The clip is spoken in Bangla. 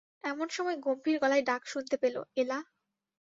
এমন সময় গম্ভীর গলায় ডাক শুনতে পেল, এলা।